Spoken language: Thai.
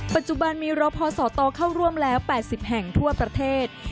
ปัจจุบันมีรพศตเข้าร่วมแล้ว๘๐แห่งทั่วประเทศ